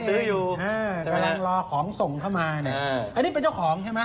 กำลังรอของส่งเข้ามาอันนี้เป็นเจ้าของใช่มั้ย